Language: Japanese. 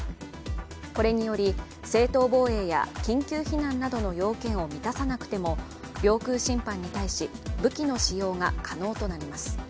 これにより正当防衛や緊急避難などの要件を満たさなくても領空侵犯に対し、武器の使用が可能となります。